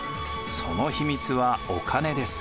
その秘密はお金です。